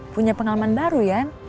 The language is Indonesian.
punya pengalaman baru yan